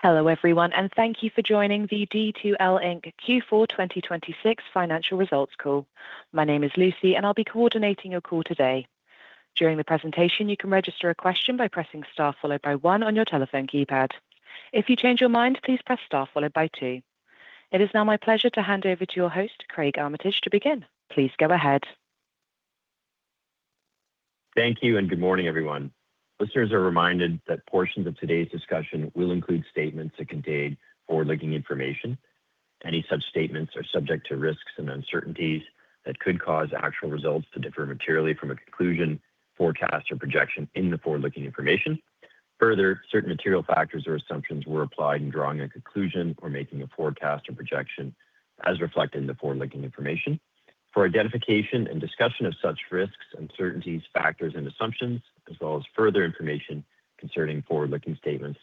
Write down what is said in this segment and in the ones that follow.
Hello everyone and thank you for joining the D2L Inc. Q4 2026 financial results call. My name is Lucy, and I'll be coordinating your call today. During the presentation, you can register a question by pressing star followed by one on your telephone keypad. If you change your mind, please press star followed by two. It is now my pleasure to hand over to your host, Craig Armitage, to begin. Please go ahead. Thank you and good morning, everyone. Listeners are reminded that portions of today's discussion will include statements that contain forward-looking information. Any such statements are subject to risks and uncertainties that could cause actual results to differ materially from a conclusion, forecast, or projection in the forward-looking information. Further, certain material factors or assumptions were applied in drawing a conclusion or making a forecast or projection as reflected in the forward-looking information. For identification and discussion of such risks, uncertainties, factors, and assumptions, as well as further information concerning forward-looking statements,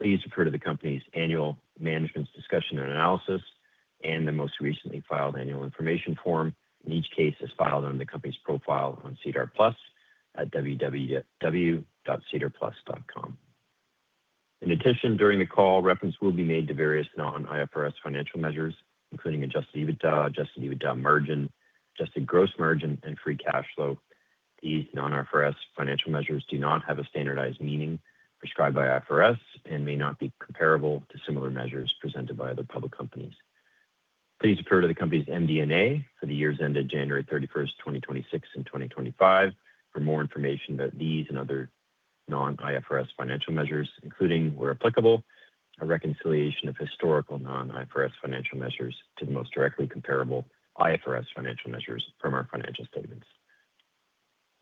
please refer to the company's annual Management's Discussion and Analysis and the most recently filed annual information form, in each case as filed under the company's profile on SEDAR+ at www.sedarplus.ca. In addition, during the call, reference will be made to various non-IFRS financial measures, including adjusted EBITDA, adjusted EBITDA margin, adjusted gross margin, and free cash flow. These non-IFRS financial measures do not have a standardized meaning prescribed by IFRS and may not be comparable to similar measures presented by other public companies. Please refer to the company's MD&A for the years ended January 31, 2026, and 2025 for more information about these and other non-IFRS financial measures, including, where applicable, a reconciliation of historical non-IFRS financial measures to the most directly comparable IFRS financial measures from our financial statements.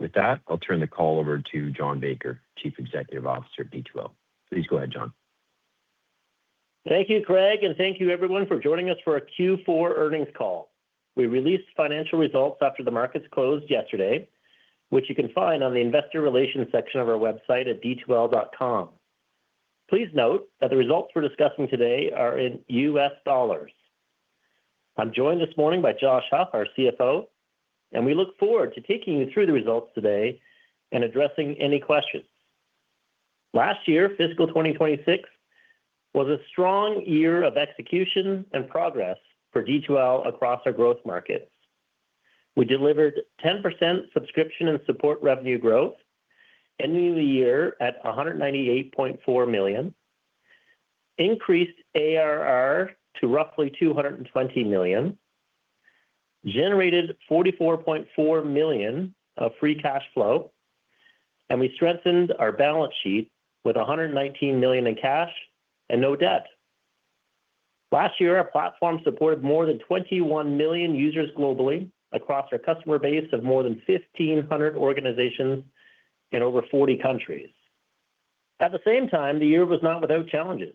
With that, I'll turn the call over to John Baker, Chief Executive Officer at D2L. Please go ahead, John. Thank you, Craig, and thank you everyone for joining us for our Q4 earnings call. We released financial results after the markets closed yesterday, which you can find on the investor relations section of our website at d2l.com. Please note that the results we're discussing today are in U.S. dollars. I'm joined this morning by Josh Huff, our CFO, and we look forward to taking you through the results today and addressing any questions. Last year, fiscal 2024, was a strong year of execution and progress for D2L across our growth markets. We delivered 10% subscription and support revenue growth, ending the year at $198.4 million, increased ARR to roughly $220 million, generated $44.4 million of free cash flow, and we strengthened our balance sheet with $119 million in cash and no debt. Last year, our platform supported more than 21 million users globally across our customer base of more than 1,500 organizations in over 40 countries. At the same time, the year was not without challenges.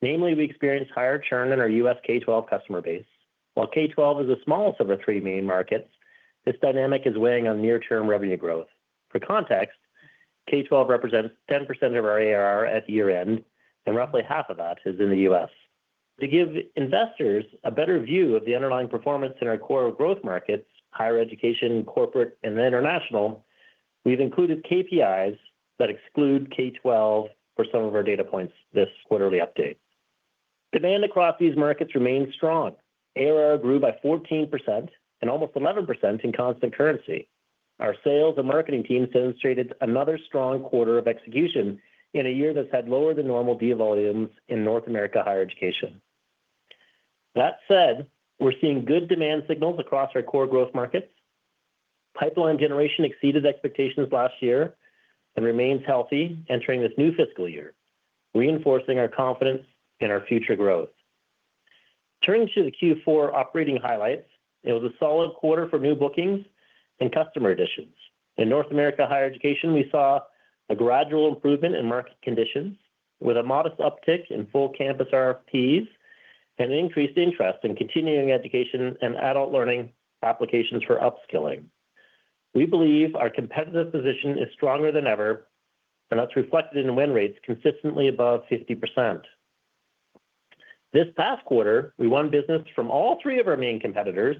Namely, we experienced higher churn in our U.S. K-12 customer base. While K-12 is the smallest of our three main markets, this dynamic is weighing on near-term revenue growth. For context, K-12 represents 10% of our ARR at year-end, and roughly half of that is in the U.S. To give investors a better view of the underlying performance in our core growth markets, higher education, corporate, and international, we've included KPIs that exclude K-12 for some of our data points this quarterly update. Demand across these markets remains strong. ARR grew by 14% and almost 11% in constant currency. Our sales and marketing teams demonstrated another strong quarter of execution in a year that's had lower than normal deal volumes in North American higher education. That said, we're seeing good demand signals across our core growth markets. Pipeline generation exceeded expectations last year and remains healthy entering this new fiscal year, reinforcing our confidence in our future growth. Turning to the Q4 operating highlights, it was a solid quarter for new bookings and customer additions. In North American higher education, we saw a gradual improvement in market conditions with a modest uptick in full campus RFPs and increased interest in continuing education and adult learning applications for upskilling. We believe our competitive position is stronger than ever, and that's reflected in win rates consistently above 50%. This past quarter, we won business from all three of our main competitors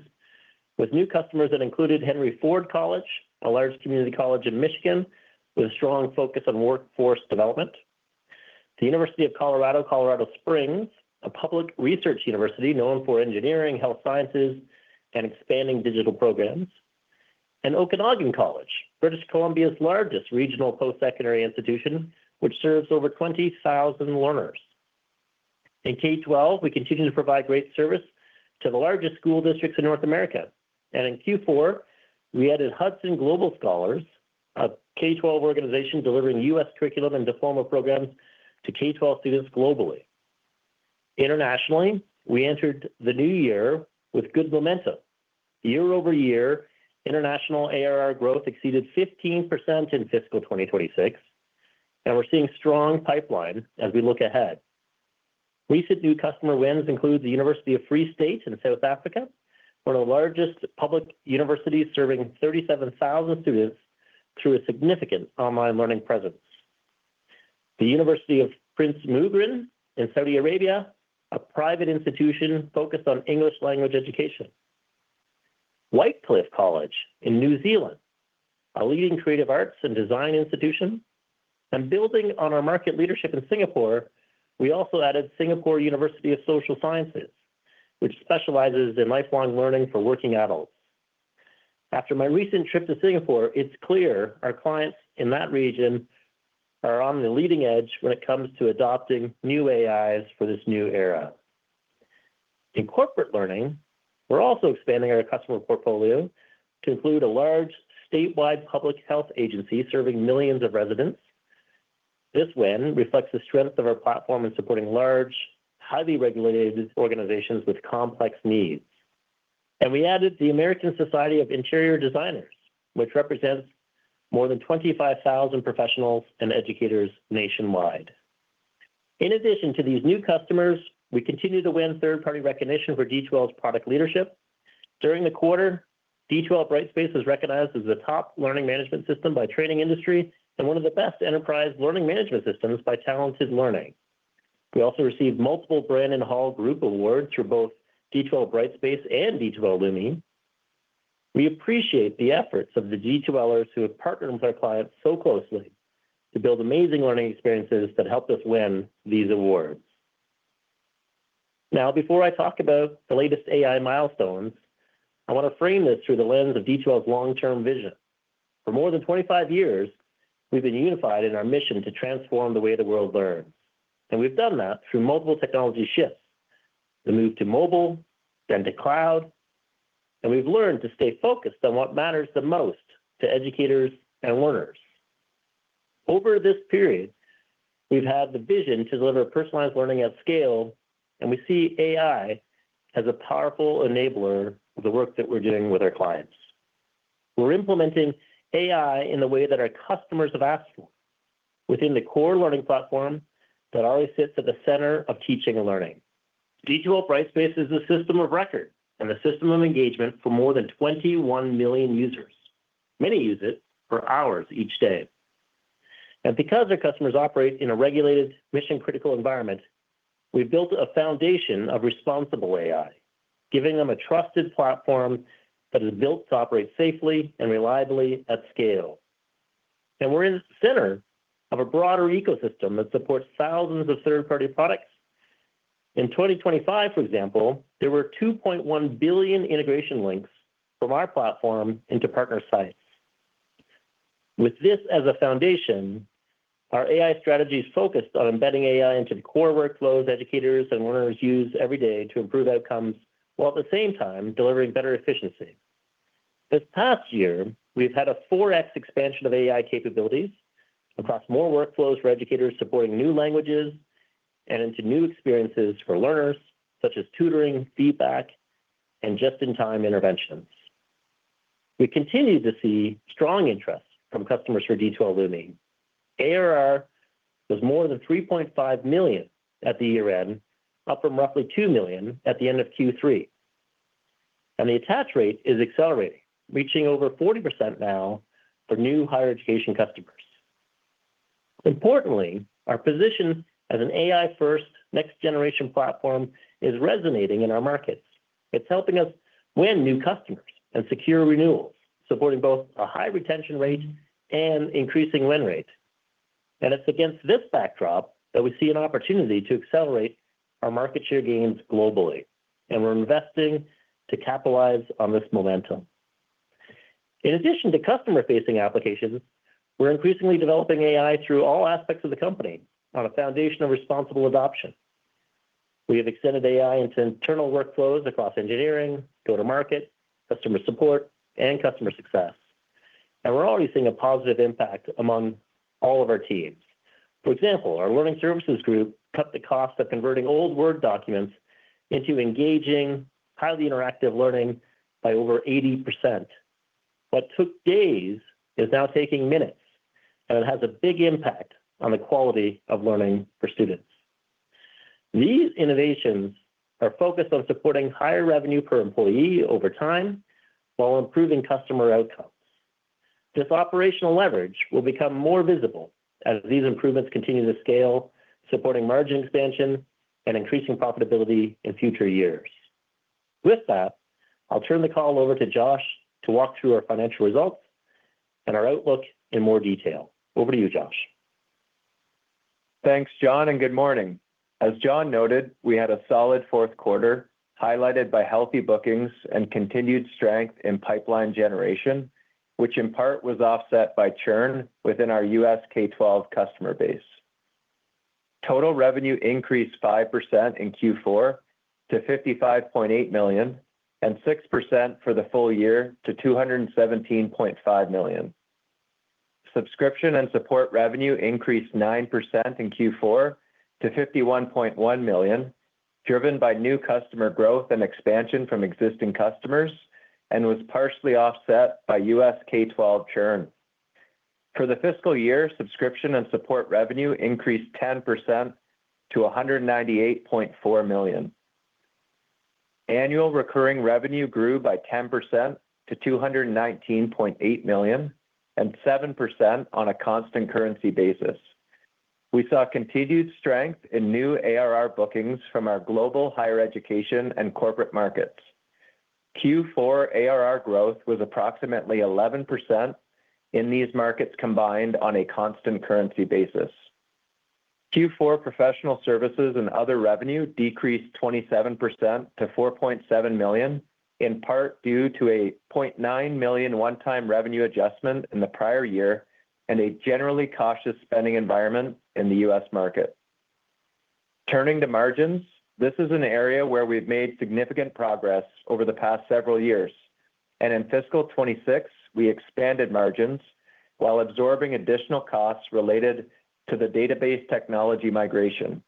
with new customers that included Henry Ford College, a large community college in Michigan with a strong focus on workforce development, the University of Colorado Colorado Springs, a public research university known for engineering, health sciences, and expanding digital programs, and Okanagan College, British Columbia's largest regional post-secondary institution, which serves over 20,000 learners. In K-12, we continue to provide great service to the largest school districts in North America. In Q4, we added Hudson Global Scholars, a K-12 organization delivering U.S. curriculum and diploma programs to K-12 students globally. Internationally, we entered the new year with good momentum. Year-over-year, international ARR growth exceeded 15% in fiscal 2026, and we're seeing strong pipeline as we look ahead. Recent new customer wins include the University of the Free State in South Africa, one of the largest public universities serving 37,000 students through a significant online learning presence. The University of Prince Muqrin in Saudi Arabia, a private institution focused on English language education. Whitecliffe College in New Zealand, a leading creative arts and design institution, and building on our market leadership in Singapore, we also added Singapore University of Social Sciences, which specializes in lifelong learning for working adults. After my recent trip to Singapore, it's clear our clients in that region are on the leading edge when it comes to adopting new AIs for this new era. In corporate learning, we're also expanding our customer portfolio to include a large statewide public health agency serving millions of residents. This win reflects the strength of our platform in supporting large, highly regulated organizations with complex needs. We added the American Society of Interior Designers, which represents more than 25,000 professionals and educators nationwide. In addition to these new customers, we continue to win third-party recognition for D2L's product leadership. During the quarter, D2L Brightspace was recognized as the top learning management system by Training Industry and one of the best enterprise learning management systems by Talented Learning. We also received multiple Brandon Hall Group awards through both D2L Brightspace and D2L Lumi. We appreciate the efforts of the D2Lers who have partnered with our clients so closely to build amazing learning experiences that helped us win these awards. Now, before I talk about the latest AI milestones, I want to frame this through the lens of D2L's long-term vision. For more than 25 years, we've been unified in our mission to transform the way the world learns. We've done that through multiple technology shifts, the move to mobile, then to cloud, and we've learned to stay focused on what matters the most to educators and learners. Over this period, we've had the vision to deliver personalized learning at scale, and we see AI as a powerful enabler of the work that we're doing with our clients. We're implementing AI in the way that our customers have asked for within the core learning platform that always sits at the center of teaching and learning. D2L Brightspace is a system of record and a system of engagement for more than 21 million users. Many use it for hours each day. Because our customers operate in a regulated mission-critical environment, we've built a foundation of responsible AI, giving them a trusted platform that is built to operate safely and reliably at scale. We're in the center of a broader ecosystem that supports thousands of third-party products. In 2025, for example, there were 2.1 billion integration links from our platform into partner sites. With this as a foundation, our AI strategy is focused on embedding AI into the core workflows educators and learners use every day to improve outcomes while at the same time delivering better efficiency. This past year, we've had a 4x expansion of AI capabilities across more workflows for educators supporting new languages and into new experiences for learners, such as tutoring, feedback, and just-in-time interventions. We continue to see strong interest from customers for D2L Lumi. ARR was more than $3.5 million at the year-end, up from roughly $2 million at the end of Q3. The attach rate is accelerating, reaching over 40% now for new higher education customers. Importantly, our position as an AI-first next-generation platform is resonating in our markets. It's helping us win new customers and secure renewals, supporting both a high retention rate and increasing win rate. It's against this backdrop that we see an opportunity to accelerate our market share gains globally, and we're investing to capitalize on this momentum. In addition to customer-facing applications, we're increasingly developing AI through all aspects of the company on a foundation of responsible adoption. We have extended AI into internal workflows across engineering, go-to-market, customer support, and customer success. We're already seeing a positive impact among all of our teams. For example, our learning services group cut the cost of converting old Word documents into engaging, highly interactive learning by over 80%. What took days is now taking minutes, and it has a big impact on the quality of learning for students. These innovations are focused on supporting higher revenue per employee over time while improving customer outcomes. This operational leverage will become more visible as these improvements continue to scale, supporting margin expansion and increasing profitability in future years. With that, I'll turn the call over to Josh to walk through our financial results and our outlook in more detail. Over to you, Josh. Thanks, John, and good morning. As John noted, we had a solid fourth quarter highlighted by healthy bookings and continued strength in pipeline generation, which in part was offset by churn within our U.S. K-12 customer base. Total revenue increased 5% in Q4 to $55.8 million and 6% for the full year to $217.5 million. Subscription and support revenue increased 9% in Q4 to $51.1 million, driven by new customer growth and expansion from existing customers and was partially offset by U.S. K-12 churn. For the fiscal year, subscription and support revenue increased 10% to $198.4 million. Annual recurring revenue grew by 10% to $219.8 million and 7% on a constant currency basis. We saw continued strength in new ARR bookings from our global higher education and corporate markets. Q4 ARR growth was approximately 11% in these markets combined on a constant currency basis. Q4 professional services and other revenue decreased 27% to $4.7 million, in part due to a $0.9 million one-time revenue adjustment in the prior year and a generally cautious spending environment in the U.S. market. Turning to margins, this is an area where we've made significant progress over the past several years, and in fiscal 2026 we expanded margins while absorbing additional costs related to the database technology migration.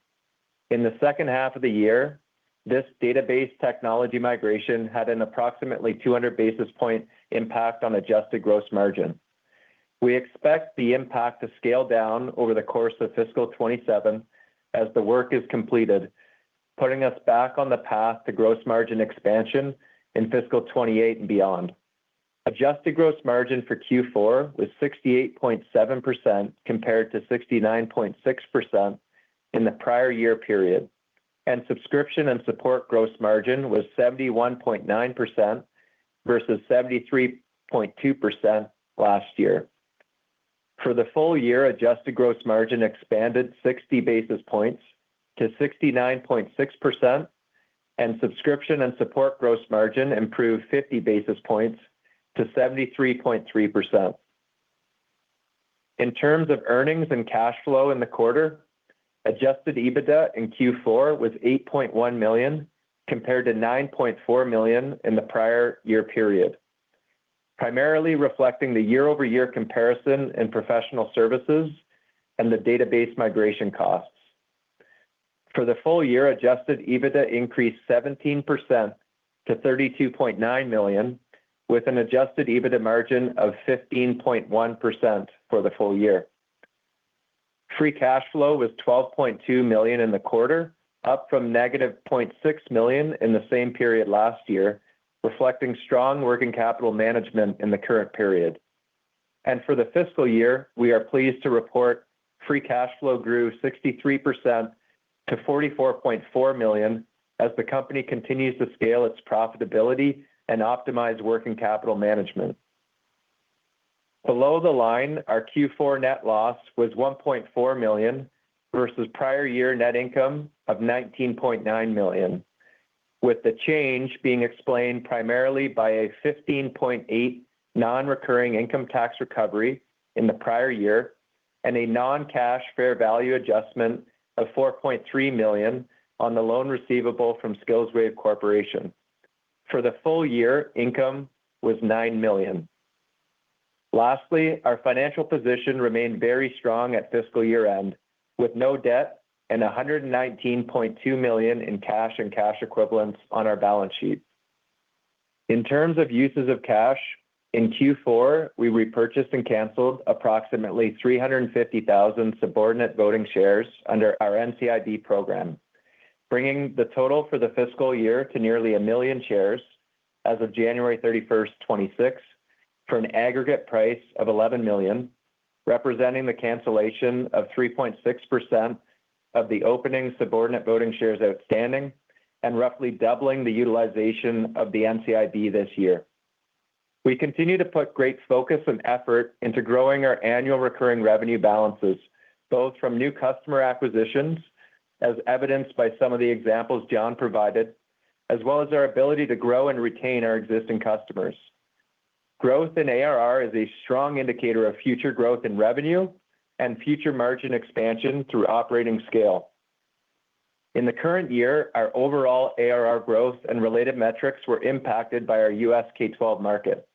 In the second half of the year, this database technology migration had an approximately 200 basis point impact on adjusted gross margin. We expect the impact to scale down over the course of fiscal 2027 as the work is completed, putting us back on the path to gross margin expansion in fiscal 2028 and beyond. Adjusted gross margin for Q4 was 68.7% compared to 69.6% in the prior year period, and subscription and support gross margin was 71.9% versus 73.2% last year. For the full year, adjusted gross margin expanded 60 basis points to 69.6%, and subscription and support gross margin improved 50 basis points to 73.3%. In terms of earnings and cash flow in the quarter, adjusted EBITDA in Q4 was $8.1 million compared to $9.4 million in the prior year period, primarily reflecting the year-over-year comparison in professional services and the database migration costs. For the full year, adjusted EBITDA increased 17% to $32.9 million, with an adjusted EBITDA margin of 15.1% for the full year. Free cash flow was $12.2 million in the quarter, up from $-0.6 million in the same period last year, reflecting strong working capital management in the current period. For the fiscal year, we are pleased to report free cash flow grew 63% to $44.4 million as the company continues to scale its profitability and optimize working capital management. Below the line, our Q4 net loss was $1.4 million versus prior year net income of $19.9 million, with the change being explained primarily by a $15.8 million non-recurring income tax recovery in the prior year and a non-cash fair value adjustment of $4.3 million on the loan receivable from SkillsWave Corporation. For the full year, income was $9 million. Lastly, our financial position remained very strong at fiscal year-end, with no debt and $119.2 million in cash and cash equivalents on our balance sheet. In terms of uses of cash, in Q4, we repurchased and canceled approximately 350,000 subordinate voting shares under our NCIB program, bringing the total for the fiscal year to nearly 1 million shares as of January 31, 2026, for an aggregate price of $11 million, representing the cancellation of 3.6% of the opening subordinate voting shares outstanding and roughly doubling the utilization of the NCIB this year. We continue to put great focus and effort into growing our annual recurring revenue balances, both from new customer acquisitions, as evidenced by some of the examples John provided, as well as our ability to grow and retain our existing customers. Growth in ARR is a strong indicator of future growth in revenue and future margin expansion through operating scale. In the current year, our overall ARR growth and related metrics were impacted by our U.S. K-12 market.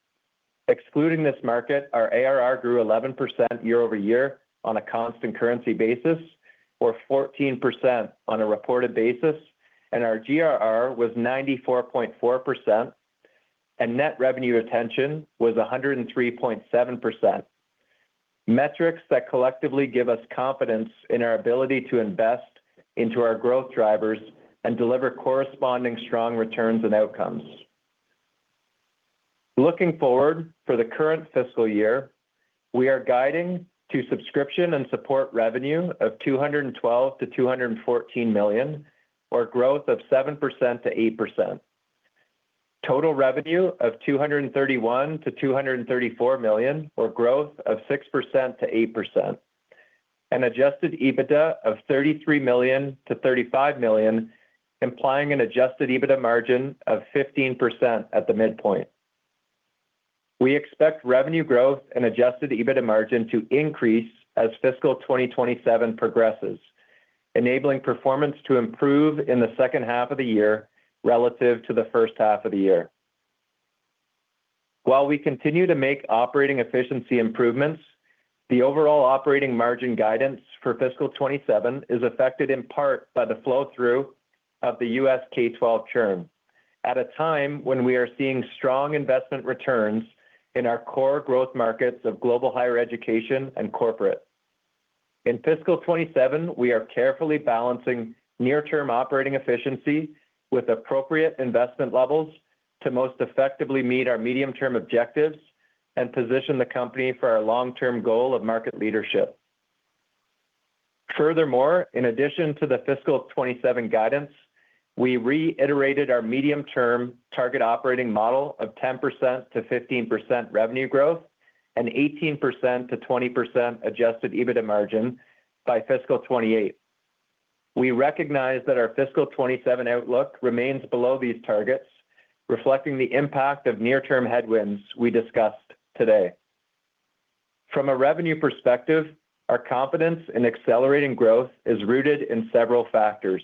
Excluding this market, our ARR grew 11% year-over-year on a constant currency basis or 14% on a reported basis, and our GRR was 94.4%, and net revenue retention was 103.7%. Metrics that collectively give us confidence in our ability to invest into our growth drivers and deliver corresponding strong returns and outcomes. Looking forward, for the current fiscal year, we are guiding to subscription and support revenue of $212 million-$214 million, or growth of 7%-8%. Total revenue of $231 million-$234 million, or growth of 6%-8%. Adjusted EBITDA of $33 million-$35 million, implying an adjusted EBITDA margin of 15% at the midpoint. We expect revenue growth and adjusted EBITDA margin to increase as fiscal 2027 progresses, enabling performance to improve in the second half of the year relative to the first half of the year. While we continue to make operating efficiency improvements, the overall operating margin guidance for fiscal 2027 is affected in part by the flow-through of the U.S. K-12 churn at a time when we are seeing strong investment returns in our core growth markets of global higher education and corporate. In fiscal 2027, we are carefully balancing near-term operating efficiency with appropriate investment levels to most effectively meet our medium-term objectives and position the company for our long-term goal of market leadership. Furthermore, in addition to the fiscal 2027 guidance, we reiterated our medium-term target operating model of 10%-15% revenue growth and 18%-20% adjusted EBITDA margin by fiscal 2028. We recognize that our fiscal 2027 outlook remains below these targets, reflecting the impact of near-term headwinds we discussed today. From a revenue perspective, our confidence in accelerating growth is rooted in several factors.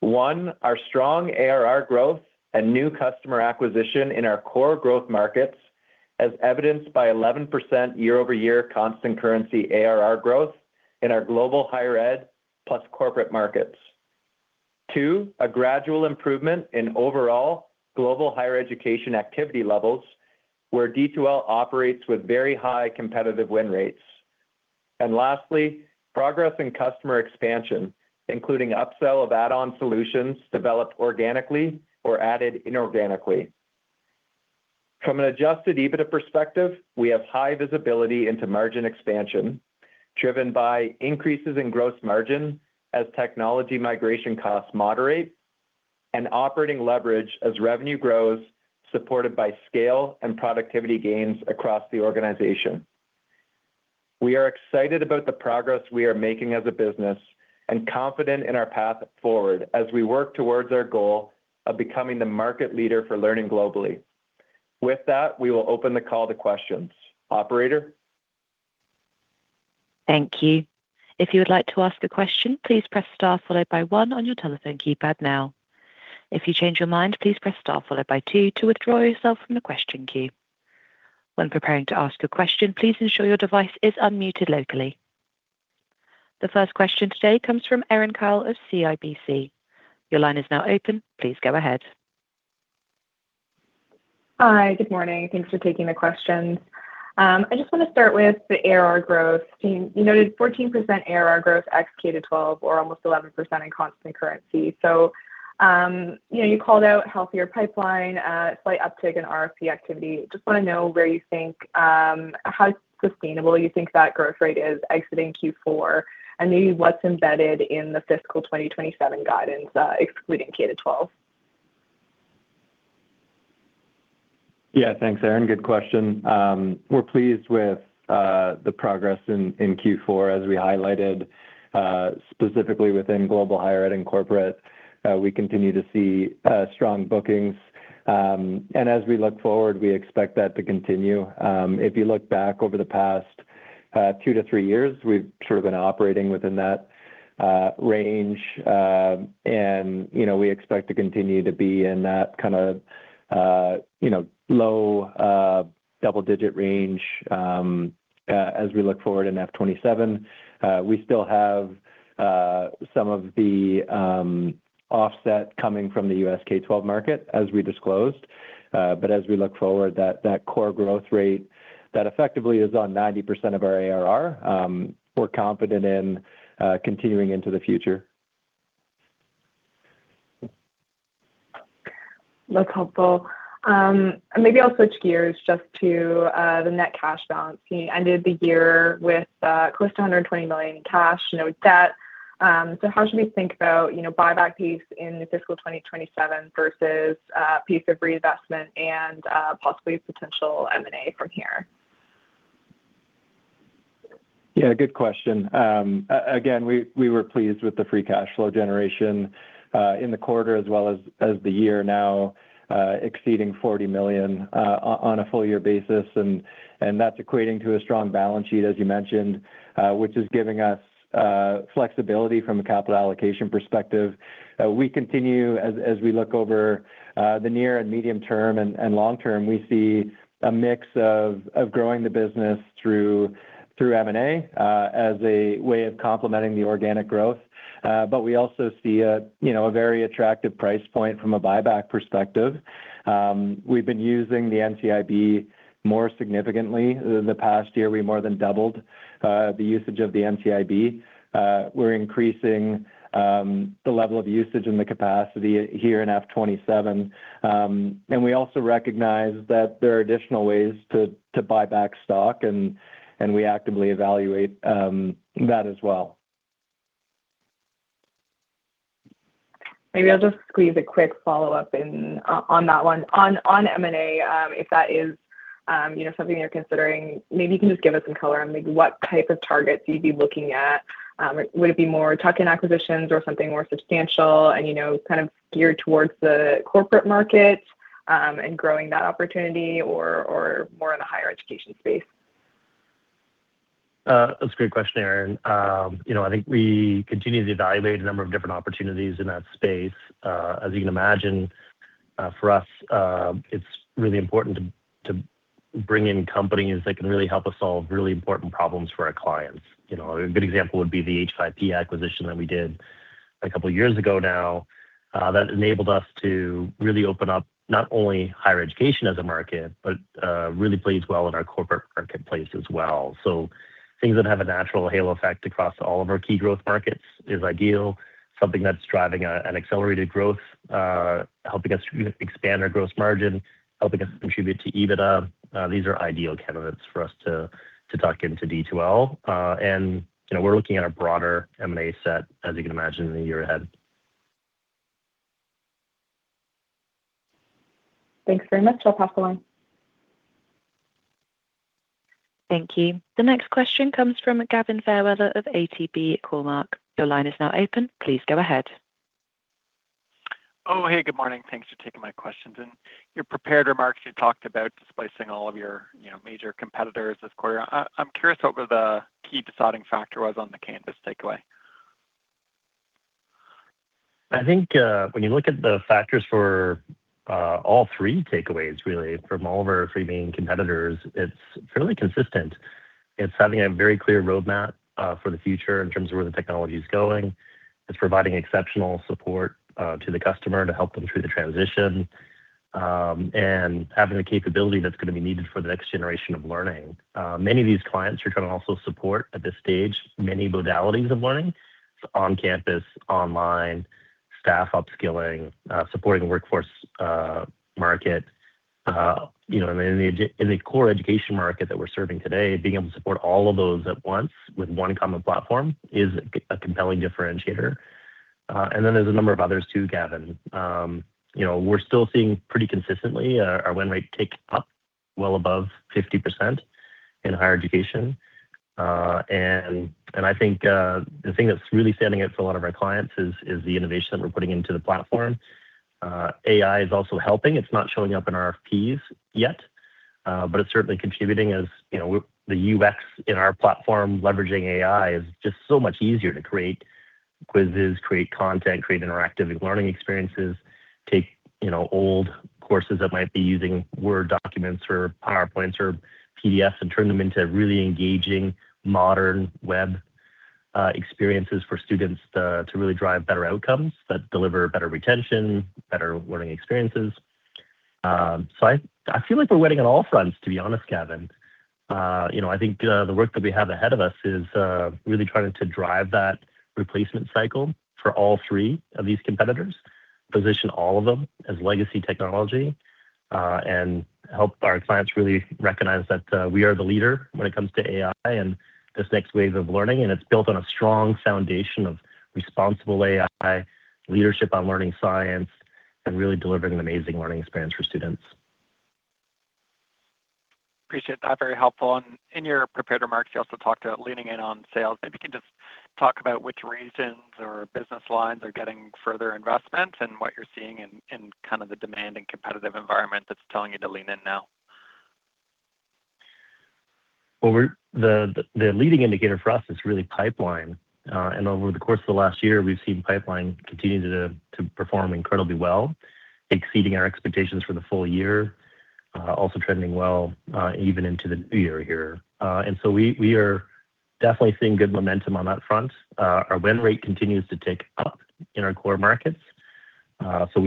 One, our strong ARR growth and new customer acquisition in our core growth markets as evidenced by 11% year-over-year constant currency ARR growth in our global higher ed plus corporate markets. Two, a gradual improvement in overall global higher education activity levels where D2L operates with very high competitive win rates. Lastly, progress in customer expansion, including upsell of add-on solutions developed organically or added inorganically. From an adjusted EBITDA perspective, we have high visibility into margin expansion driven by increases in gross margin as technology migration costs moderate and operating leverage as revenue grows supported by scale and productivity gains across the organization. We are excited about the progress we are making as a business and confident in our path forward as we work towards our goal of becoming the market leader for learning globally. With that, we will open the call to questions. Operator. Thank you. If you would like to ask a question, please press star followed by one on your telephone keypad now. If you change your mind, please press star followed by two to withdraw yourself from the question queue. When preparing to ask a question, please ensure your device is unmuted locally. The first question today comes from Erin Kyle of CIBC. Your line is now open. Please go ahead. Hi. Good morning. Thanks for taking the questions. I just want to start with the ARR growth theme. You noted 14% ARR growth ex K-12 or almost 11% in constant currency. You called out healthier pipeline, slight uptick in RFP activity. Just want to know where you think how sustainable you think that growth rate is exiting Q4, and maybe what's embedded in the fiscal 2027 guidance, excluding K-12. Yeah. Thanks, Erin. Good question. We're pleased with the progress in Q4 as we highlighted, specifically within global higher ed and corporate. We continue to see strong bookings. As we look forward, we expect that to continue. If you look back over the past two to three years, we've sort of been operating within that range, and you know, we expect to continue to be in that kind of you know, low double-digit range as we look forward in FY 2027. We still have some of the offset coming from the U.S. K-12 market as we disclosed. As we look forward, that core growth rate that effectively is on 90% of our ARR, we're confident in continuing into the future. That's helpful. Maybe I'll switch gears just to the net cash balance. You ended the year with close to $120 million in cash, no debt. How should we think about, you know, buyback pace in the fiscal 2027 versus pace of reinvestment and possibly potential M&A from here? Yeah, good question. Again, we were pleased with the free cash flow generation in the quarter as well as the year now exceeding $40 million on a full year basis. That's equating to a strong balance sheet as you mentioned, which is giving us flexibility from a capital allocation perspective. We continue as we look over the near and medium term and long term. We see a mix of growing the business through M&A as a way of complementing the organic growth. We also see you know, a very attractive price point from a buyback perspective. We've been using the NCIB more significantly. In the past year, we more than doubled the usage of the NCIB. We're increasing the level of usage and the capacity here in FY 2027. We also recognize that there are additional ways to buy back stock and we actively evaluate that as well. Maybe I'll just squeeze a quick follow-up in on that one. On M&A, if that is, you know, something you're considering, maybe you can just give us some color on maybe what type of targets you'd be looking at. Would it be more tuck-in acquisitions or something more substantial and, you know, kind of geared towards the corporate market, and growing that opportunity or more in the higher education space? That's a great question, Erin. You know, I think we continue to evaluate a number of different opportunities in that space. As you can imagine, for us, it's really important to bring in companies that can really help us solve really important problems for our clients. You know, a good example would be the H5P acquisition that we did. A couple of years ago now, that enabled us to really open up not only higher education as a market, but really plays well in our corporate marketplace as well. Things that have a natural halo effect across all of our key growth markets is ideal. Something that's driving an accelerated growth, helping us expand our gross margin, helping us contribute to EBITDA. These are ideal candidates for us to tuck into D2L. You know, we're looking at a broader M&A set, as you can imagine, in the year ahead. Thanks very much. I'll pass the line. Thank you. The next question comes from Gavin Fairweather of ATB Cormark. Your line is now open. Please go ahead. Oh, hey, good morning. Thanks for taking my questions. In your prepared remarks, you talked about displacing all of your, you know, major competitors this quarter. I'm curious what were the key deciding factor was on the Canvas takeaway? I think, when you look at the factors for, all three takeaways really from all of our three main competitors, it's fairly consistent. It's having a very clear roadmap, for the future in terms of where the technology is going. It's providing exceptional support, to the customer to help them through the transition, and having the capability that's going to be needed for the next generation of learning. Many of these clients are trying to also support at this stage many modalities of learning, on-campus, online, staff upskilling, supporting the workforce, market. You know, and in the core education market that we're serving today, being able to support all of those at once with one common platform is a compelling differentiator. There's a number of others too, Gavin. You know, we're still seeing pretty consistently our win rate tick up well above 50% in higher education. I think the thing that's really standing out for a lot of our clients is the innovation that we're putting into the platform. AI is also helping. It's not showing up in RFPs yet, but it's certainly contributing. As you know, the UX in our platform, leveraging AI is just so much easier to create quizzes, create content, create interactive learning experiences, take you know, old courses that might be using Word documents or PowerPoints or PDFs, and turn them into really engaging modern web experiences for students to really drive better outcomes that deliver better retention, better learning experiences. I feel like we're winning on all fronts, to be honest, Gavin. You know, I think the work that we have ahead of us is really trying to drive that replacement cycle for all three of these competitors, position all of them as legacy technology, and help our clients really recognize that we are the leader when it comes to AI and this next wave of learning. It's built on a strong foundation of responsible AI, leadership on learning science, and really delivering an amazing learning experience for students. Appreciate that. Very helpful. In your prepared remarks, you also talked about leaning in on sales. Maybe you can just talk about which regions or business lines are getting further investment and what you're seeing in kind of the demand and competitive environment that's telling you to lean in now? Well, the leading indicator for us is really pipeline. Over the course of the last year, we've seen pipeline continue to perform incredibly well, exceeding our expectations for the full year. Pipeline is also trending well, even into the new year here. We are definitely seeing good momentum on that front. Our win rate continues to tick up in our core markets, so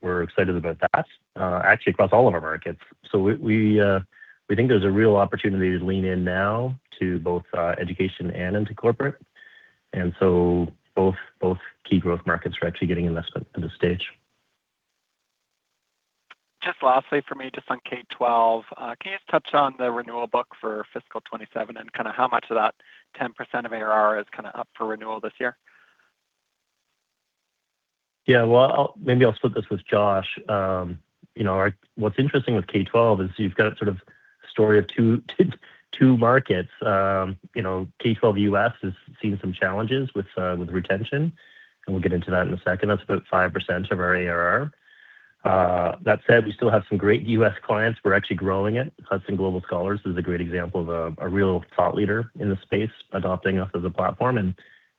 we're excited about that, actually across all of our markets. We think there's a real opportunity to lean in now to both education and into corporate, and both key growth markets are actually getting investment at this stage. Just lastly for me, just on K-12, can you just touch on the renewal book for fiscal 2027 and kind of how much of that 10% of ARR is kind of up for renewal this year? Yeah. Well, maybe I'll split this with Josh. You know, what's interesting with K-12 is you've got a sort of story of two markets. You know, K-12 U.S. has seen some challenges with retention, and we'll get into that in a second. That's about 5% of our ARR. That said, we still have some great U.S. clients. We're actually growing it. Hudson Global Scholars is a great example of a real thought leader in the space adopting us as a platform.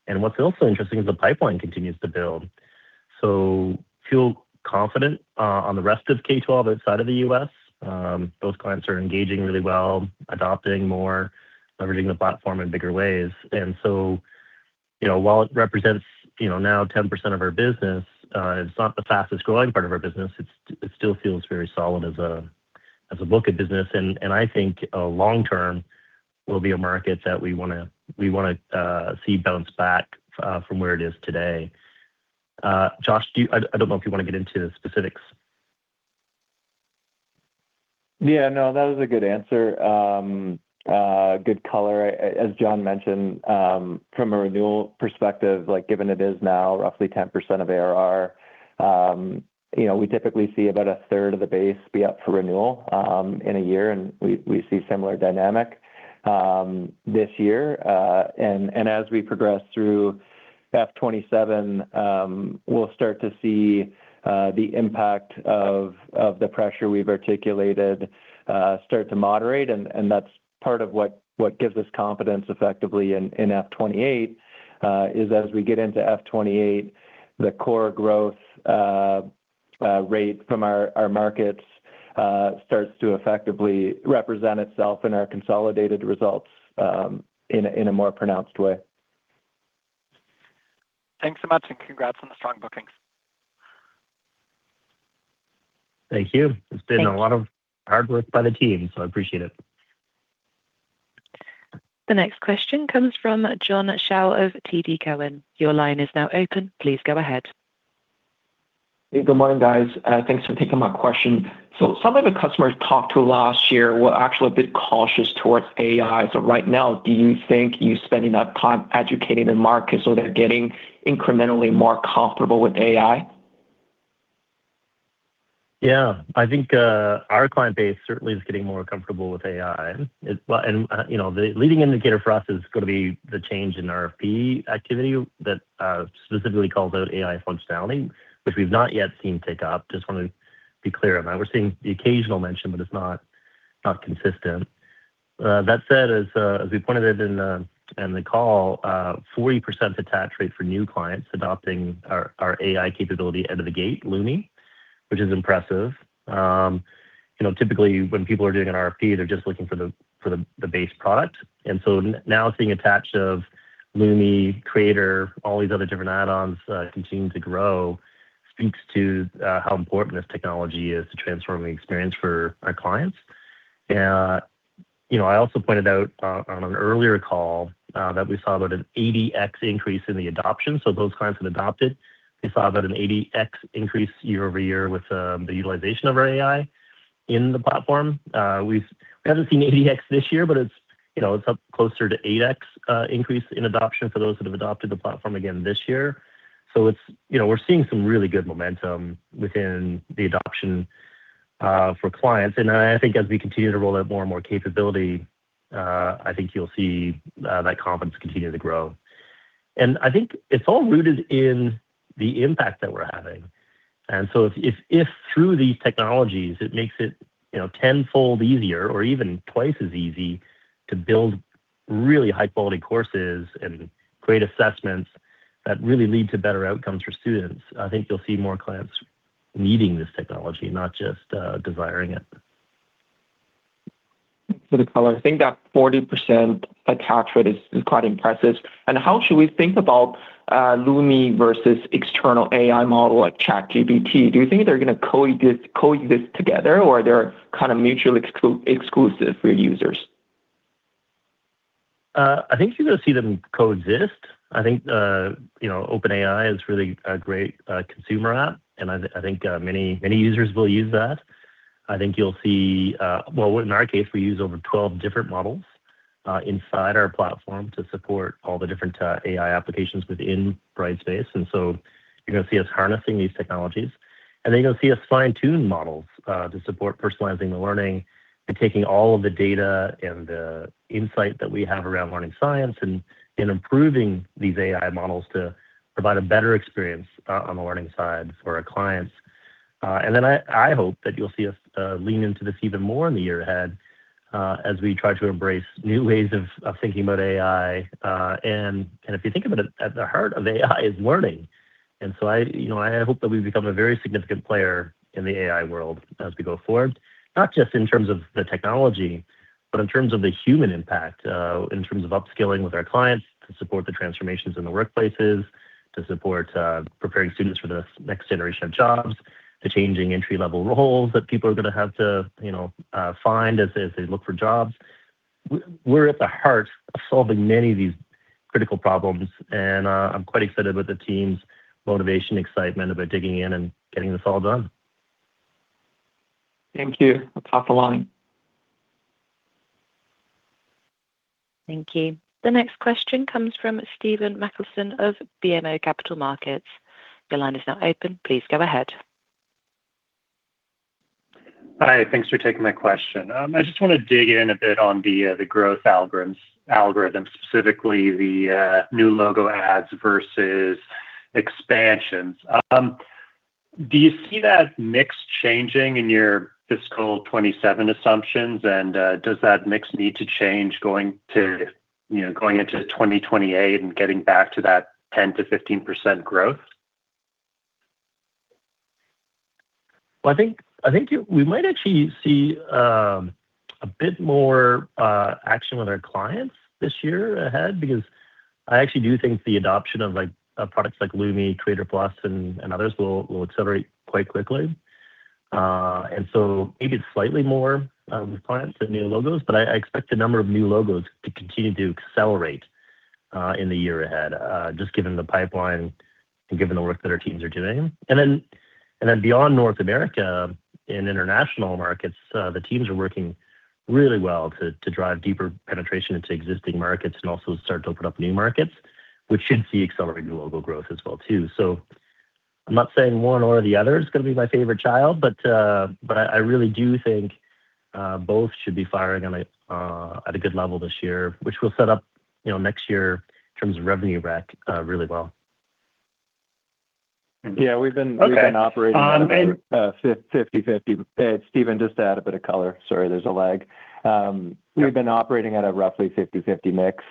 And what's also interesting is the pipeline continues to build. Feel confident on the rest of K-12 outside of the U.S. Those clients are engaging really well, adopting more, leveraging the platform in bigger ways. You know, while it represents, you know, now 10% of our business, it's not the fastest growing part of our business. It still feels very solid as a book of business. I think long term will be a market that we want to see bounce back from where it is today. Josh, I don't know if you want to get into the specifics. Yeah, no, that was a good answer. Good color. As John mentioned, from a renewal perspective, like, given it is now roughly 10% of ARR, you know, we typically see about a third of the base be up for renewal in a year, and we see similar dynamic this year. As we progress through FY 2027, we'll start to see the impact of the pressure we've articulated start to moderate. That's part of what gives us confidence effectively in FY 2028 is as we get into FY 2028, the core growth. Rate from our markets starts to effectively represent itself in our consolidated results, in a more pronounced way. Thanks so much, and congrats on the strong bookings. Thank you. It's been a lot of hard work by the team, so I appreciate it. The next question comes from John Shao of TD Cowen. Your line is now open. Please go ahead. Hey, good morning, guys. Thanks for taking my question. Some of the customers talked to last year were actually a bit cautious towards AI. Right now, do you think you're spending that time educating the market so they're getting incrementally more comfortable with AI? Yeah. I think, our client base certainly is getting more comfortable with AI. Well, you know, the leading indicator for us is going to be the change in RFP activity that, specifically calls out AI functionality, which we've not yet seen tick up. Just want to be clear on that. We're seeing the occasional mention, but it's not consistent. That said, as we pointed out in the call, 40% attach rate for new clients adopting our AI capability out of the gate, Lumi, which is impressive. You know, typically when people are doing an RFP, they're just looking for the base product. Now seeing attach of Lumi, Creator+, all these other different add-ons continue to grow speaks to, how important this technology is to transforming experience for our clients. You know, I also pointed out on an earlier call that we saw about an 80x increase in the adoption. Those clients that adopted, we saw about an 80x increase year-over-year with the utilization of our AI in the platform. We haven't seen 80x this year, but it's, you know, up closer to 8x increase in adoption for those that have adopted the platform again this year. You know, we're seeing some really good momentum within the adoption for clients. I think as we continue to roll out more and more capability, I think you'll see that confidence continue to grow. I think it's all rooted in the impact that we're having. If through these technologies it makes it, you know, tenfold easier or even twice as easy to build really high quality courses and great assessments that really lead to better outcomes for students, I think you'll see more clients needing this technology, not just desiring it. Thanks for the color. I think that 40% attach rate is quite impressive. How should we think about Lumi versus external AI model like ChatGPT? Do you think they're going to coexist together or they're kind of mutually exclusive for users? I think you're going to see them coexist. I think, you know, OpenAI is really a great consumer app, and I think many users will use that. I think you'll see. Well, in our case, we use over 12 different models inside our platform to support all the different AI applications within Brightspace. You're going to see us harnessing these technologies. Then you'll see us fine-tune models to support personalizing the learning and taking all of the data and the insight that we have around learning science and improving these AI models to provide a better experience on the learning side for our clients. I hope that you'll see us lean into this even more in the year ahead as we try to embrace new ways of thinking about AI. If you think of it, at the heart of AI is learning. You know, I hope that we become a very significant player in the AI world as we go forward, not just in terms of the technology, but in terms of the human impact, in terms of upskilling with our clients to support the transformations in the workplaces, to support preparing students for the next generation of jobs, the changing entry-level roles that people are going to have to, you know, find as they look for jobs. We're at the heart of solving many of these critical problems, and I'm quite excited with the team's motivation, excitement about digging in and getting this all done. Thank you. I'll pass along. Thank you. The next question comes from Stephen Machielsen of BMO Capital Markets. Your line is now open. Please go ahead. Hi. Thanks for taking my question. I just want to dig in a bit on the growth algorithm, specifically the new logo adds versus expansions. Do you see that mix changing in your fiscal 2027 assumptions? Does that mix need to change going to, you know, going into 2028 and getting back to that 10%-15% growth? Well, I think we might actually see a bit more action with our clients this year ahead because I actually do think the adoption of like products like Lumi, Creator+ and others will accelerate quite quickly. Maybe it's slightly more clients than new logos, but I expect the number of new logos to continue to accelerate in the year ahead just given the pipeline and given the work that our teams are doing. Beyond North America in international markets, the teams are working really well to drive deeper penetration into existing markets and also start to open up new markets, which should see accelerating logo growth as well too. I'm not saying one or the other is going to be my favorite child, but I really do think both should be firing at a good level this year, which will set up, you know, next year in terms of revenue rec really well. Yeah, we've been. Okay. Stephen, just to add a bit of color. Sorry, there's a lag. We've been operating at a roughly 50/50 mix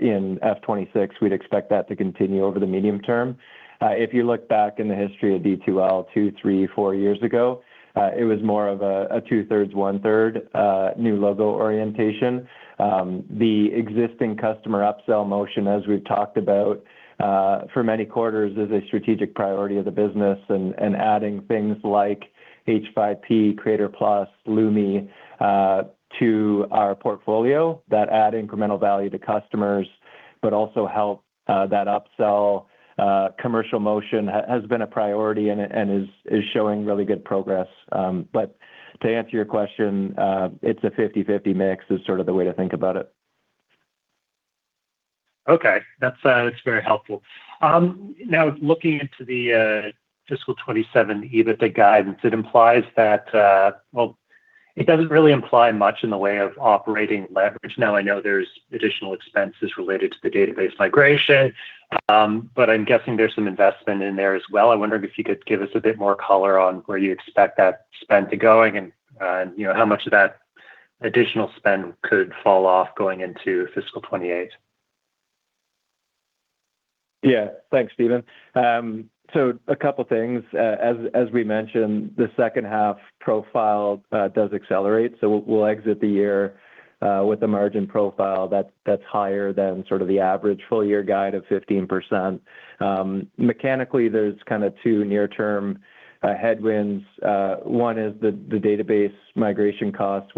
in FY 2026. We'd expect that to continue over the medium term. If you look back in the history of D2L two, three, four years ago, it was more of a two-thirds, one-third new logo orientation. The existing customer upsell motion, as we've talked about for many quarters, is a strategic priority of the business. Adding things like H5P, Creator+, Lumi to our portfolio that add incremental value to customers but also help that upsell commercial motion has been a priority and is showing really good progress. To answer your question, it's a 50/50 mix is sort of the way to think about it. Okay. That's very helpful. Now looking into the fiscal 2027 EBITDA guidance, it implies that. Well, it doesn't really imply much in the way of operating leverage. Now, I know there's additional expenses related to the database migration, but I'm guessing there's some investment in there as well. I wondered if you could give us a bit more color on where you expect that spend to going and, you know, how much of that additional spend could fall off going into fiscal 2028. Yeah. Thanks, Stephen. A couple things. As we mentioned, the second half profile does accelerate, so we'll exit the year with a margin profile that's higher than sort of the average full year guide of 15%. Mechanically, there's kind of two near-term headwinds. One is the database migration costs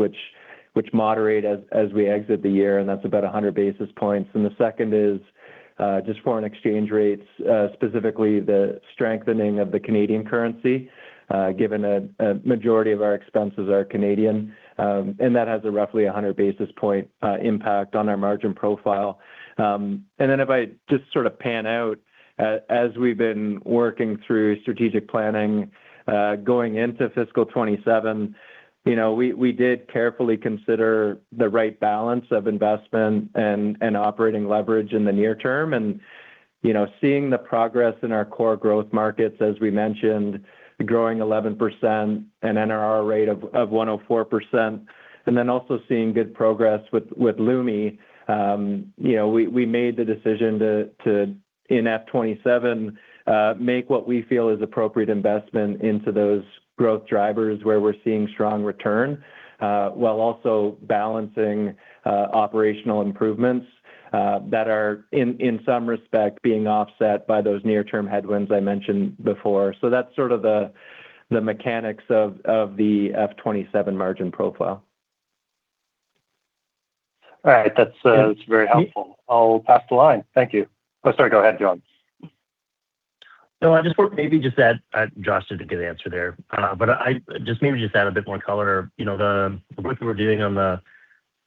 which moderate as we exit the year, and that's about 100 basis points. The second is just foreign exchange rates, specifically the strengthening of the Canadian currency, given a majority of our expenses are Canadian, and that has a roughly 100 basis points impact on our margin profile. If I just sort of pan out, as we've been working through strategic planning, going into fiscal 2027, you know, we did carefully consider the right balance of investment and operating leverage in the near term. You know, seeing the progress in our core growth markets, as we mentioned, growing 11%, an NRR rate of 104%. Also seeing good progress with Lumi, you know, we made the decision to, in FY 2027, make what we feel is appropriate investment into those growth drivers where we're seeing strong return, while also balancing operational improvements that are in some respect being offset by those near-term headwinds I mentioned before. That's sort of the mechanics of the FY 2027 margin profile. All right. That's very helpful. I'll pass the line. Thank you. Oh, sorry. Go ahead, John. No, I just thought maybe just to add, Josh did a good answer there. But I just maybe just add a bit more color. You know, the work that we're doing on the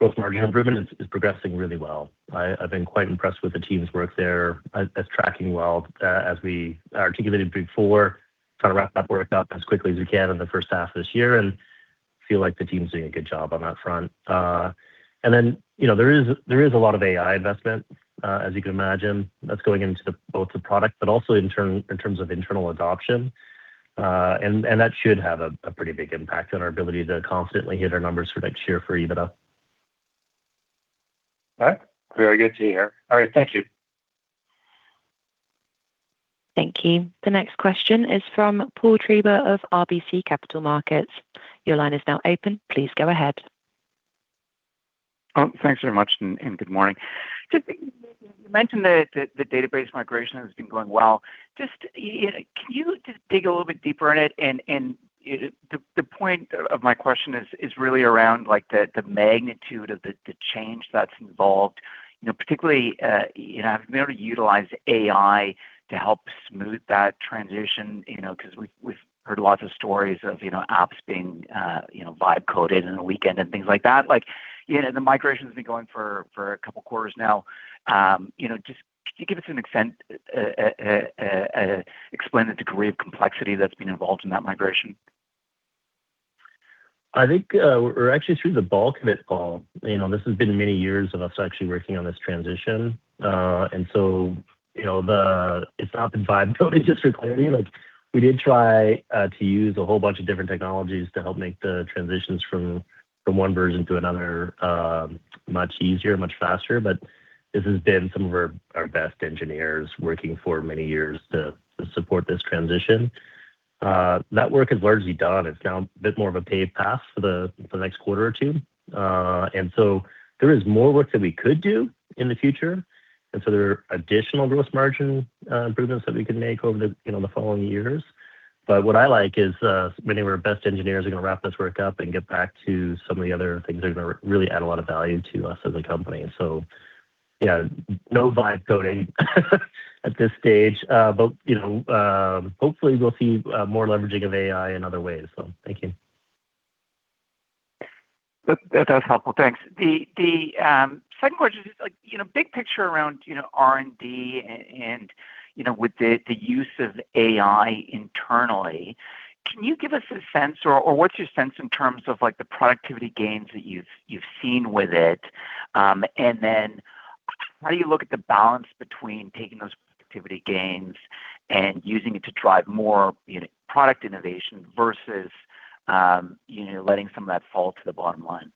gross margin improvement is progressing really well. I've been quite impressed with the team's work there. That's tracking well, as we articulated before, trying to wrap that work up as quickly as we can in the first half of this year, and feel like the team's doing a good job on that front. Then, you know, there is a lot of AI investment, as you can imagine, that's going into both the product, but also in terms of internal adoption. That should have a pretty big impact on our ability to constantly hit our numbers for next year for EBITDA. All right. Very good to hear. All right. Thank you. Thank you. The next question is from Paul Treiber of RBC Capital Markets. Your line is now open. Please go ahead. Thanks very much and good morning. Just, you mentioned that the database migration has been going well. Just, you know, can you just dig a little bit deeper in it? The point of my question is really around like the magnitude of the change that's involved. You know, particularly, you know, have you been able to utilize AI to help smooth that transition, you know, 'cause we've heard lots of stories of, you know, apps being live coded on the weekend and things like that. Like, you know, the migration's been going for a couple quarters now. Just can you give us an extent, explain the degree of complexity that's been involved in that migration? I think we're actually through the bulk of it, Paul. You know, this has been many years of us actually working on this transition. You know, it's not been recoded, just for clarity. Like, we did try to use a whole bunch of different technologies to help make the transitions from one version to another much easier, much faster. This has been some of our best engineers working for many years to support this transition. That work is largely done. It's now a bit more of a paved path for the next quarter or two. There is more work that we could do in the future, and there are additional gross margin improvements that we could make over the following years. What I like is, many of our best engineers are going to wrap this work up and get back to some of the other things that are going to really add a lot of value to us as a company. You know, no live coding at this stage. You know, hopefully we'll see more leveraging of AI in other ways. Thank you. That is helpful. Thanks. The second question is like, you know, big picture around, you know, R&D and, you know, with the use of AI internally, can you give us a sense or what's your sense in terms of like the productivity gains that you've seen with it? How do you look at the balance between taking those productivity gains and using it to drive more, you know, product innovation versus, you know, letting some of that fall to the bottom line?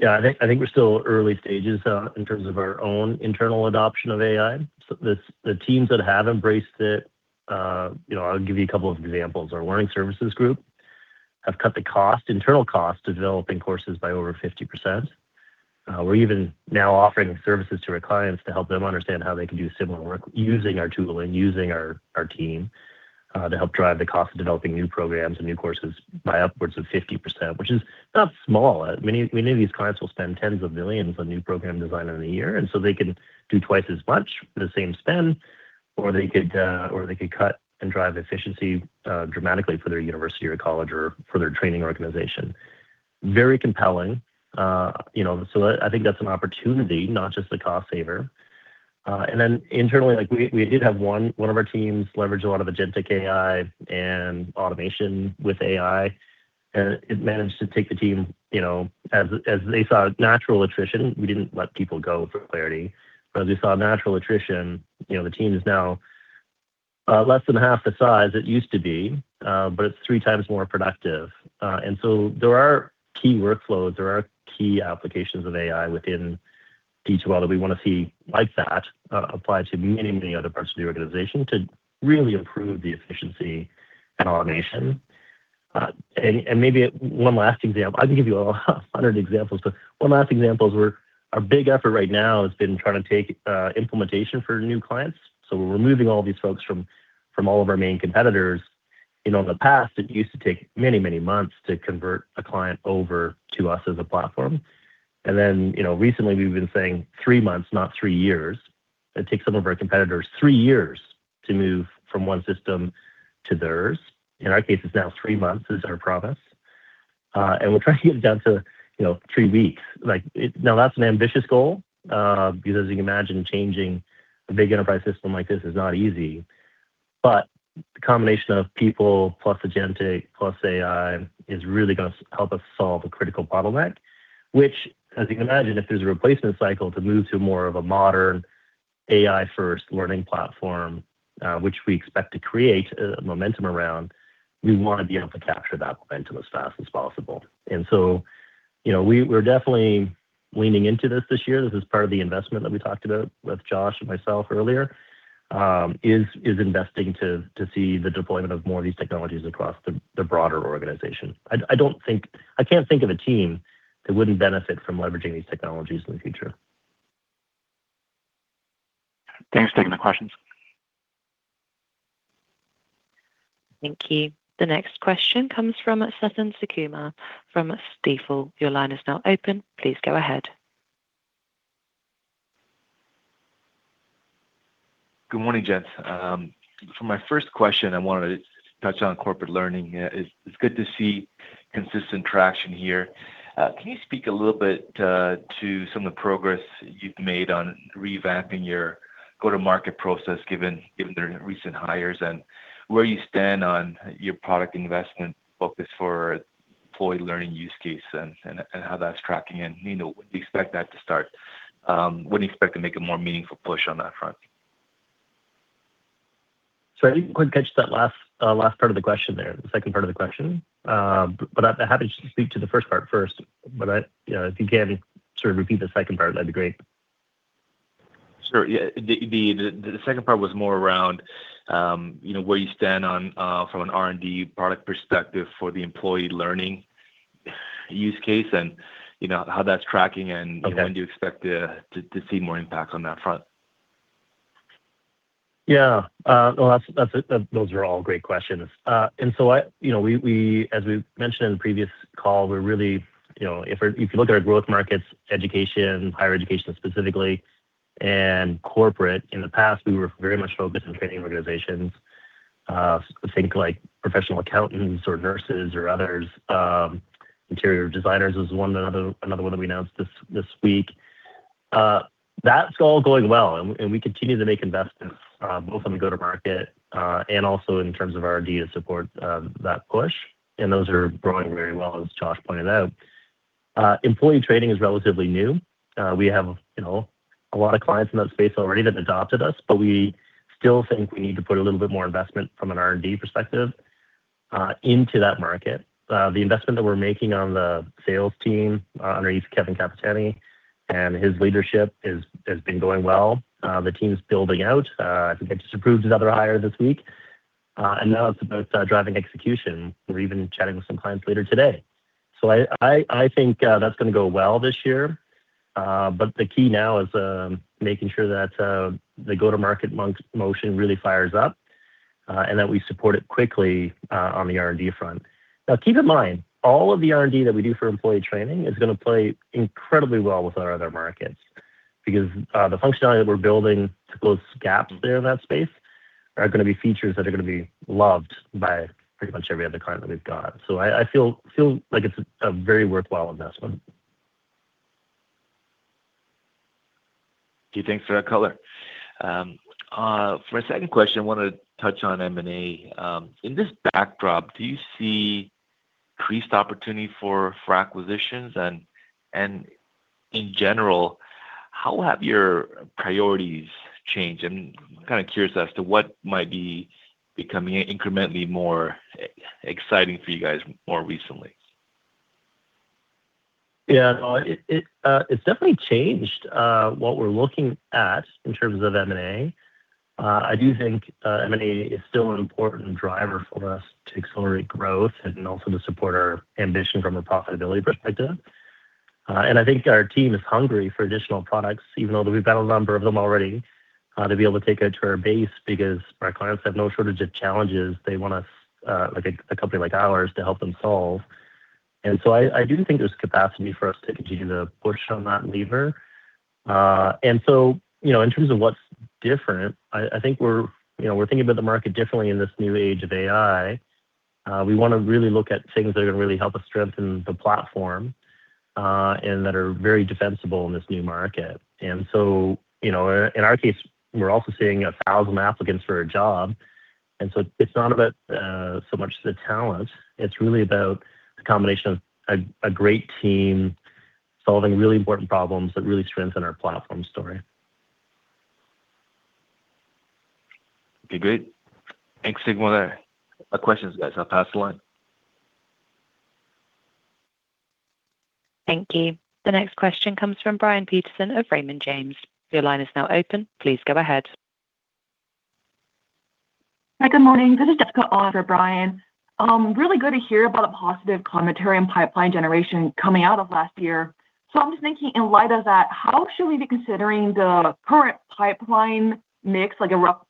Yeah, I think we're still early stages in terms of our own internal adoption of AI. The teams that have embraced it, you know, I'll give you a couple of examples. Our learning services group have cut the cost, internal cost, of developing courses by over 50%. We're even now offering services to our clients to help them understand how they can do similar work using our tool and using our team to help drive the cost of developing new programs and new courses by upwards of 50%, which is not small. We know these clients will spend tens of millions on new program design in a year, and so they can do twice as much for the same spend, or they could cut and drive efficiency dramatically for their university or college or for their training organization. Very compelling. You know, I think that's an opportunity, not just a cost saver. Internally, like we did have one of our teams leverage a lot of agentic AI and automation with AI, and it managed to take the team, as they saw natural attrition, we didn't let people go for clarity. The team is now less than half the size it used to be, but it's 3x more productive. There are key workflows, there are key applications of AI within D2L that we want to see like that, apply to many, many other parts of the organization to really improve the efficiency and automation. Maybe one last example. I can give you 100 examples, but one last example is our big effort right now has been trying to take implementation for new clients. We're removing all these folks from all of our main competitors. You know, in the past, it used to take many, many months to convert a client over to us as a platform. You know, recently we've been saying three months, not three years. It takes some of our competitors three years to move from one system to theirs. In our case, it's now three months is our promise. We're trying to get it down to, you know, three weeks. Like now, that's an ambitious goal, because as you can imagine, changing a big enterprise system like this is not easy. The combination of people plus agentic plus AI is really going to help us solve a critical bottleneck, which, as you can imagine, if there's a replacement cycle to move to more of a modern AI-first learning platform, which we expect to create a momentum around, we want to be able to capture that momentum as fast as possible. You know, we're definitely leaning into this year. This is part of the investment that we talked about with Josh and myself earlier, is investing to see the deployment of more of these technologies across the broader organization. I don't think. I can't think of a team that wouldn't benefit from leveraging these technologies in the future. Thanks for taking the questions. Thank you. The next question comes from Suthan Sukumar from Stifel. Your line is now open. Please go ahead. Good morning, gents. For my first question, I wanted to touch on corporate learning. It's good to see consistent traction here. Can you speak a little bit to some of the progress you've made on revamping your go-to-market process given the recent hires and where you stand on your product investment focus for employee learning use case and how that's tracking? You know, when do you expect that to start? When do you expect to make a more meaningful push on that front? Sorry, I didn't quite catch that last part of the question there, the second part of the question. I'm happy to speak to the first part first. You know, if you can sort of repeat the second part, that'd be great. Sure. Yeah. The second part was more around, you know, where you stand on from an R&D product perspective for the employee learning use case, and you know how that's tracking and- Okay. When do you expect to see more impact on that front? Yeah. No, that's. Those are all great questions. You know, we as we mentioned in the previous call, we're really, you know, if you look at our growth markets, education, higher education specifically, and corporate, in the past, we were very much focused on training organizations. Think like professional accountants or nurses or others, interior designers was one, another one that we announced this week. That's all going well, and we continue to make investments, both on the go-to-market, and also in terms of R&D to support that push. Those are growing very well, as Josh pointed out. Employee training is relatively new. We have, you know, a lot of clients in that space already that adopted us, but we still think we need to put a little bit more investment from an R&D perspective into that market. The investment that we're making on the sales team underneath Kevin Capitani, and his leadership has been going well. The team's building out. I think I just approved another hire this week. Now it's about driving execution. We're even chatting with some clients later today. I think that's going to go well this year. The key now is making sure that the go-to-market motion really fires up and that we support it quickly on the R&D front. Now, keep in mind, all of the R&D that we do for employee training is going to play incredibly well with our other markets because the functionality that we're building to close gaps there in that space are going to be features that are going to be loved by pretty much every other client that we've got. I feel like it's a very worthwhile investment. Okay, thanks for that color. For a second question, I want to touch on M&A. In this backdrop, do you see increased opportunity for acquisitions? In general, how have your priorities changed? I'm kind of curious as to what might be becoming incrementally more exciting for you guys more recently. Yeah. No, it's definitely changed what we're looking at in terms of M&A. I do think M&A is still an important driver for us to accelerate growth and also to support our ambition from a profitability perspective. I think our team is hungry for additional products, even though we've got a number of them already, to be able to take it to our base because our clients have no shortage of challenges they want us, like a company like ours, to help them solve. I do think there's capacity for us to continue to push on that lever. You know, in terms of what's different, I think we're thinking about the market differently in this new age of AI. We want to really look at things that are going to really help us strengthen the platform, and that are very defensible in this new market. You know, in our case, we're also seeing 1,000 applicants for a job, and so it's not about so much the talent, it's really about the combination of a great team solving really important problems that really strengthen our platform story. Okay, great. Thanks. Take one of the questions, guys. I'll pass the line. Thank you. The next question comes from Brian Peterson of Raymond James. Your line is now open. Please go ahead. Hi, good morning. This is Jessica on for Brian. Really good to hear about a positive commentary and pipeline generation coming out of last year. I'm just thinking in light of that, how should we be considering the current pipeline mix, like a rough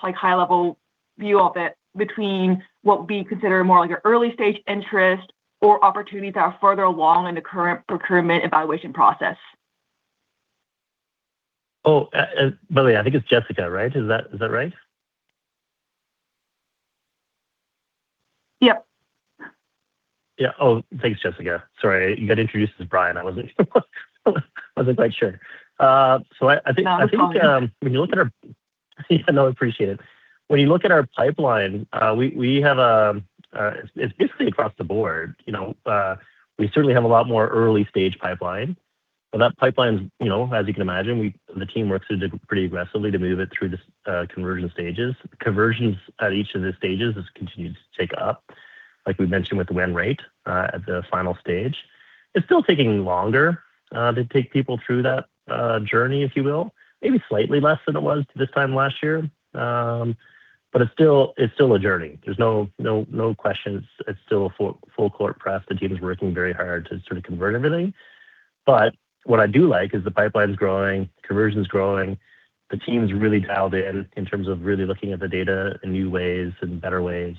high-level view of it between what would be considered more like your early-stage interest or opportunities that are further along in the current procurement evaluation process? Oh, by the way, I think it's Jessica, right? Is that right? Yep. Yeah. Oh, thanks, Jessica. Sorry, you got introduced as Brian. I wasn't quite sure. I think- Not a problem. Yeah, no, appreciate it. When you look at our pipeline, we have. It's basically across the board, you know. We certainly have a lot more early-stage pipeline, but that pipeline's, you know, as you can imagine, the team works through pretty aggressively to move it through the conversion stages. Conversions at each of the stages has continued to tick up, like we mentioned with the win rate at the final stage. It's still taking longer to take people through that journey, if you will. Maybe slightly less than it was this time last year. It's still a journey. There's no question. It's still a full court press. The team is working very hard to sort of convert everything. What I do like is the pipeline's growing, conversion's growing. The team's really dialed in in terms of really looking at the data in new ways and better ways.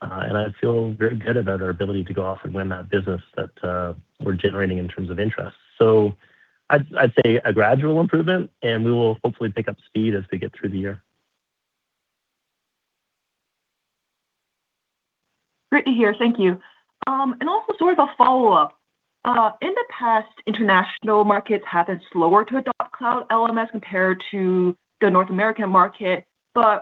I feel very good about our ability to go off and win that business that we're generating in terms of interest. I'd say a gradual improvement, and we will hopefully pick up speed as we get through the year. Jessica here. Thank you. Also, sort of a follow-up. In the past, international markets have been slower to adopt cloud LMS compared to the North American market.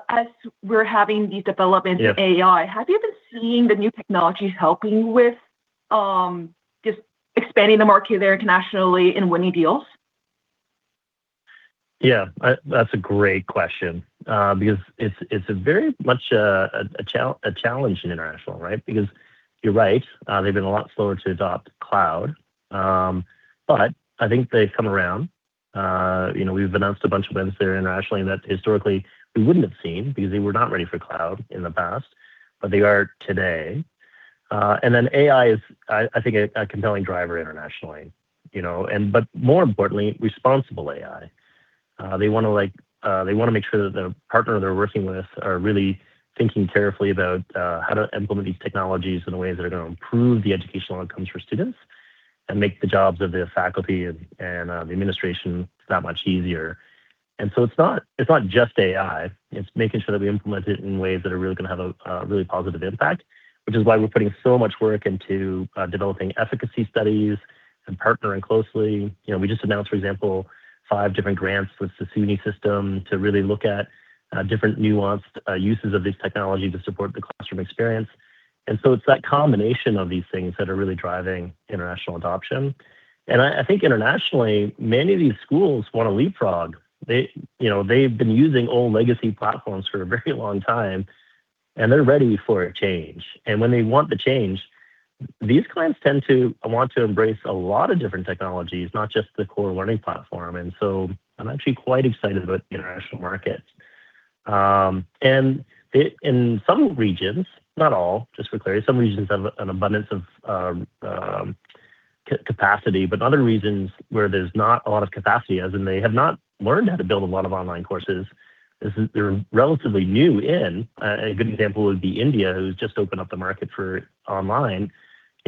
As we're having these developments in AI, have you been seeing the new technologies helping with, just expanding the market there internationally in winning deals? Yeah. That's a great question, because it's a very much a challenge in international, right? Because you're right, they've been a lot slower to adopt cloud. But I think they've come around. You know, we've announced a bunch of wins there internationally, and that historically we wouldn't have seen because they were not ready for cloud in the past, but they are today. Then AI is, I think, a compelling driver internationally, you know. But more importantly, responsible AI. They want to, like, they want to make sure that the partner they're working with are really thinking carefully about how to implement these technologies in ways that are going to improve the educational outcomes for students and make the jobs of the faculty and the administration that much easier. It's not just AI, it's making sure that we implement it in ways that are really going to have a really positive impact. Which is why we're putting so much work into developing efficacy studies and partnering closely. You know, we just announced, for example, five different grants with the SUNY system to really look at different nuanced uses of this technology to support the classroom experience. It's that combination of these things that are really driving international adoption. I think internationally, many of these schools want to leapfrog. They, you know, they've been using old legacy platforms for a very long time, and they're ready for a change. When they want the change, these clients tend to want to embrace a lot of different technologies, not just the core learning platform. I'm actually quite excited about the international market. In some regions, not all, just for clarity, some regions have an abundance of capacity, but other regions where there's not a lot of capacity as in they have not learned how to build a lot of online courses, is they're relatively new in. A good example would be India, who's just opened up the market for online. You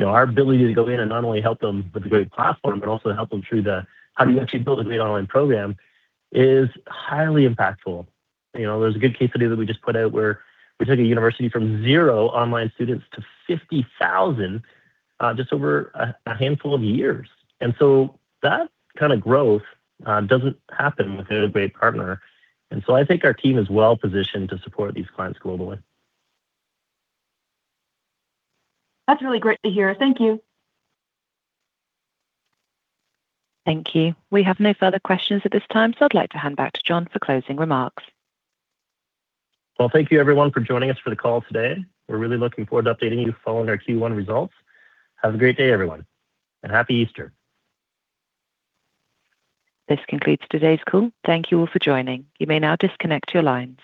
know, our ability to go in and not only help them with a great platform, but also help them through the how do you actually build a great online program is highly impactful. You know, there's a good case study that we just put out where we took a university from zero online students to 50,000, just over a handful of years. That kind of growth doesn't happen without a great partner. I think our team is well-positioned to support these clients globally. That's really great to hear. Thank you. Thank you. We have no further questions at this time, so I'd like to hand back to John for closing remarks. Well, thank you everyone for joining us for the call today. We're really looking forward to updating you following our Q1 results. Have a great day, everyone, and happy Easter. This concludes today's call. Thank you all for joining. You may now disconnect your lines.